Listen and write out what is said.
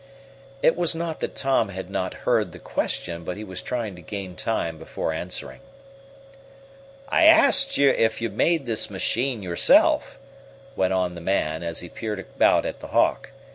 It was not that Tom had not heard the question, but he was trying to gain time before answering. "I asked if you made this machine yourself," went on the man, as he peered about at the Hawk.